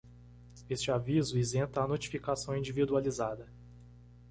Este aviso isenta a notificação individualizada.